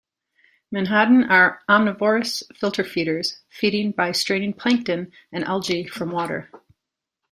Menhaden are omnivorous filter feeders, feeding by straining plankton and algae from water.